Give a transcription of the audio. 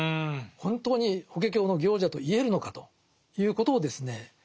本当に「法華経の行者」と言えるのかということをですね